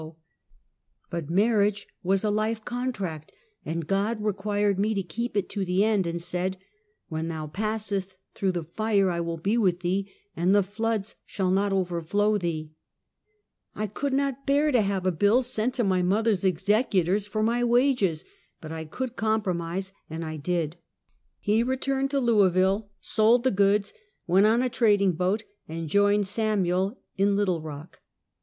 "Laboe — Sekvice ok Act." 73 But marriage was a life contract, and God required me to keep it to the end, and said, " When thou passeth through the fire I will be with thee, and the floods shall not overflow thee." I could not bear to have a bill sent to mother's executors for my wages, but I could compromise, and I did. He returned to Louisville, sold the goods, went on a trading boat, and joined Samuel in Little Rock.